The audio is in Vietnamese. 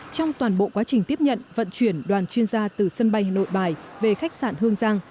trong toàn bộ quá trình tiếp nhận vận chuyển đoàn chuyên gia từ sân bay nội bài về khách sạn hương giang